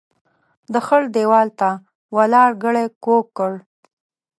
د خړ ديوال ته ولاړ ګړی کوږ کړ.